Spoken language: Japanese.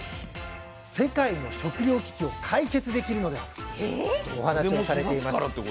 世界の食糧危機を解決できるのではとお話をされています。